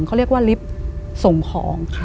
เขาเรียกว่าลิฟท์ส่งของ